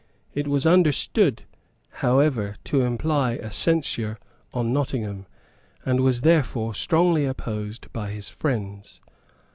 It was understood however to imply a censure on Nottingham, and was therefore strongly opposed by his friends.